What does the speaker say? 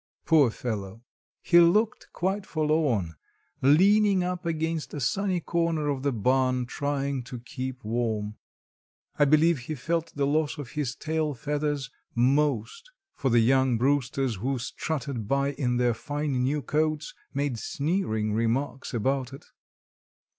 Poor fellow, he looked quite forlorn, leaning up against a sunny corner of the barn, trying to keep warm. I believe he felt the loss of his tail feathers most for the young roosters who strutted by in their fine new coats, made sneering remarks about it.